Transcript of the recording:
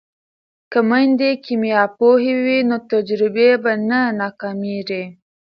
که میندې کیمیا پوهې وي نو تجربې به نه ناکامیږي.